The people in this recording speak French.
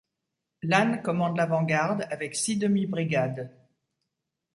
Lannes commande l’avant-garde avec six demi-brigades.